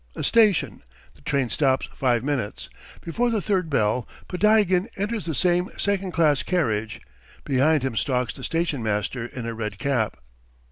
A station. The train stops five minutes. Before the third bell, Podtyagin enters the same second class carriage. Behind him stalks the station master in a red cap.